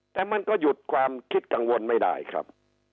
แต่มันก็หยุดความคิดกังวลไม่ได้ครับ